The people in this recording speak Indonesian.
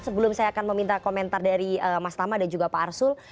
sebelum saya akan meminta komentar dari mas tama dan juga pak arsul